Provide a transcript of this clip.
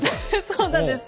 そうなんです。